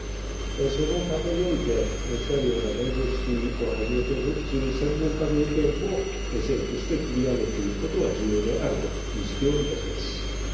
その過程において、おっしゃるような弁護士をはじめとする専門家の意見も、政府としてくみ上げていくことは重要であると認識をいたします。